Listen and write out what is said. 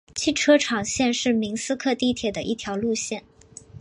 汽车厂线是明斯克地铁的一条路线。